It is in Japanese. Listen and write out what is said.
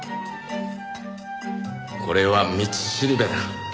これは道しるべだ。